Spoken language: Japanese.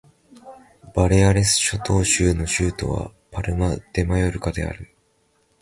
バレアレス諸島州の州都はパルマ・デ・マヨルカである